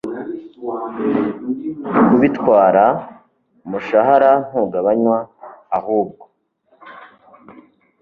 kubitwara umushahara ntugabanywa ahubwo